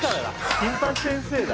「金八先生」だ。